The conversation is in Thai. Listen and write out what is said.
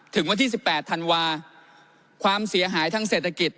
ถึงวันที่๑๘ธันวาความเสียหายทางเศรษฐกิจ